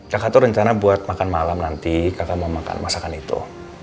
kakak itu rencana buat makan malam nanti kakak mau makan masakan itu